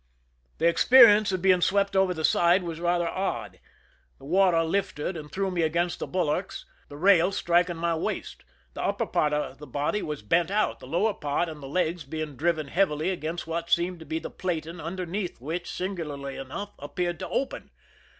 The es:perience of being swept over the side was rather odd. The water lifted and threw me against the bulwarks, the rail striking my waist ; the upper part of the body was bent out, the lower part and the legs being driven heavily against what seemed to be the plating underneath, which, singularly enough, appeared to open.